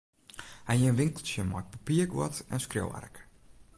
Hy hie in winkeltsje mei papierguod en skriuwark.